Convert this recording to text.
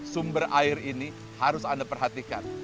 sumber air ini harus anda perhatikan